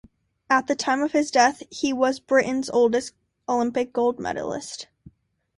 At the time of his death he was Britain's oldest Olympic gold medalist.